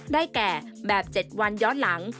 ได้แก่แบบ๗วันย้อนหลัง